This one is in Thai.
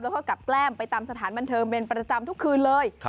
แล้วก็กลับแกล้มไปตามสถานบันเทิงเป็นประจำทุกคืนเลย